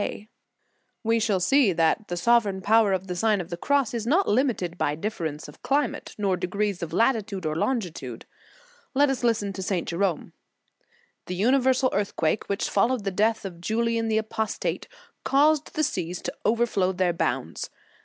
1 8 1 We shall see that the sovereign power of the Sign of the Cross is not limited by difference of climate, nor degrees of latitude or longitude. Let us listen to St. Jerome. "The universal earthquake which followed the death of Julian the Apostate, caused the seas to over flow their bounds.